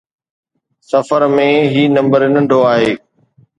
سفر ۾ هي نمبر ننڍو آهي